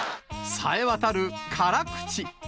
さえわたる辛口。